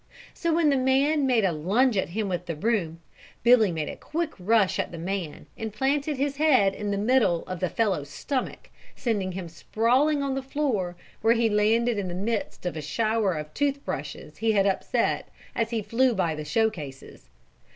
So when the man made a lunge at him with the broom, Billy made a quick rush at the man and planted his head in the middle of the fellow's stomach sending him sprawling on the floor where he landed in the midst of a shower of tooth brushes he had upset as he flew by the show cases.